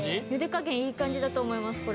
ゆで加減、いい感じだと思います。